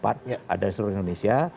ada di seluruh indonesia